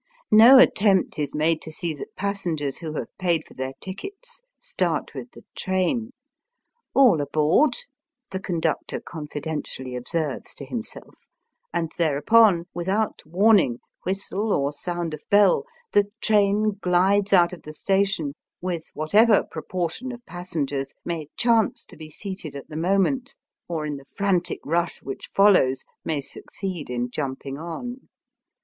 No attempt is made to see that passengers who have paid for their tickets start with the train. "All aboard," the conductor confidentially observes to himself, and thereupon, without warning, whistle or sound of bell, the train gUdes out of the station with whatever proportion of pas sengers may chance to be seated at the moment, or in the frantic rush which follows may succeed in jumping on.